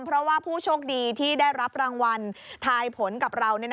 เพราะว่าผู้โชคดีที่ได้รับรางวัลทายผลกับเรา